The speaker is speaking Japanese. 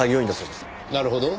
なるほど。